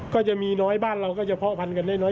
ก็จะมีน้อยบ้านเราก็จะเพาะพันกันได้น้อย